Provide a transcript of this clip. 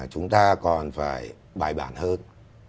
chúng ta còn phải bài bản hơn